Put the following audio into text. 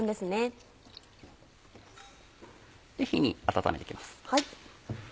火に温めて行きます。